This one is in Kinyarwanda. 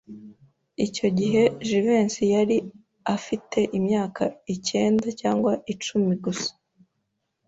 Icyo gihe Jivency yari afite imyaka ikenda cyangwa icumi gusa.